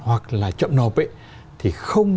hoặc là chậm nộp thì không